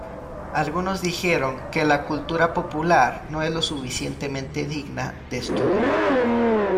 Algunos dijeron que la cultura popular no es lo suficientemente digna de estudio.